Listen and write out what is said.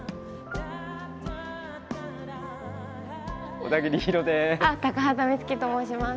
小田切ヒロです。